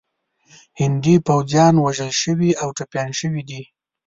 هندي پوځیان وژل شوي او ټپیان شوي دي.